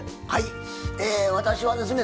私はですね